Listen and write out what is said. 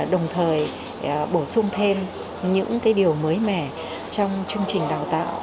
đồng thời bổ sung thêm những điều mới mẻ trong chương trình đào tạo